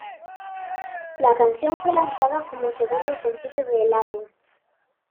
La canción fue lanzada como segundo sencillo del álbum.